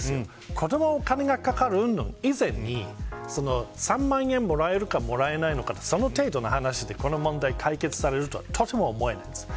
子どもはお金が掛かるうんぬんの前に３万円もらえるかもらえないのかその程度の話でこの問題が解決できるとはとても思えないです。